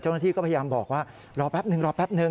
เจ้าหน้าที่ก็พยายามบอกว่ารอแป็บหนึ่ง